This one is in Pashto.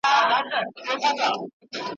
یوه بل ته یې د زړه وکړې خبري ,